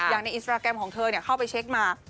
ในอินสตราแกรมของเธอเข้าไปเช็คมา